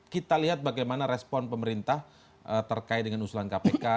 kita lihat bagaimana respon pemerintah terkait dengan usulan kpk